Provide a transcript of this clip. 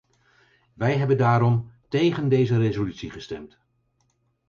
Wij hebben daarom tegen deze resolutie gestemd.